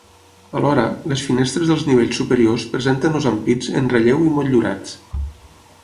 Alhora, les finestres dels nivells superiors presenten els ampits en relleu i motllurats.